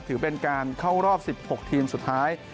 ถือเป็นการเข้ารอบ๑๖ทีมสุดท้าย